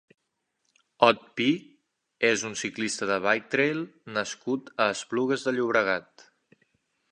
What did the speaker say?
Ot Pi és un ciclista de biketrial nascut a Esplugues de Llobregat.